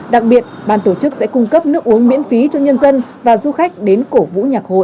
đặc biệt ban tổ chức sẽ cung cấp nước uống miễn phí cho nhân dân và du khách đến cổ vũ nhạc hội